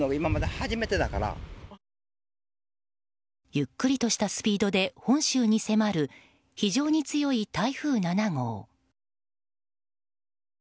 ゆっくりとしたスピードで本州に迫る非常に強い台風７号。